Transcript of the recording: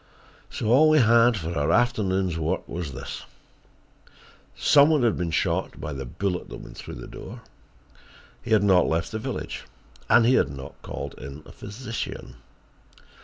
So all we had for our afternoon's work was this: some one had been shot by the bullet that went through the door; he had not left the village, and he had not called in a physician.